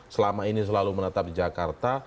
selama ini selalu menetap di jakarta